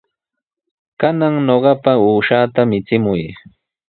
Kanan ñuqapa uushaata michimuy.